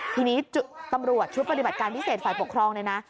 ทีนี้ตำรวจชุดปฏิบัติการพิเศษฝ่ายปกครองเนี่ยนะ